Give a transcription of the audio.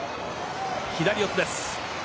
左四つです。